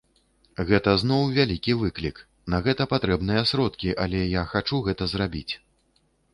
Гэта зноў вялікі выклік, на гэта патрэбныя сродкі, але я хачу гэта зрабіць.